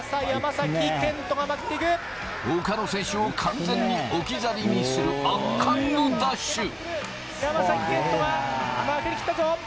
他の選手を完全に置き去りにする圧巻のダッシュ。